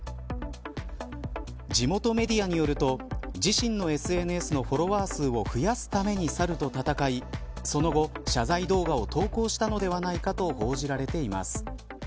地元メディアによると自身のＳＮＳのフォロワー数を増やすためにサルと戦いその後、謝罪動画を投稿したのではないかと報じられています。